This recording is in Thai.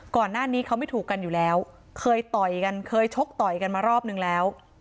ก่อนหน้านี้เขาไม่ถูกกันอยู่แล้วเคยต่อยกันเคยชกต่อยกันมารอบนึงแล้ว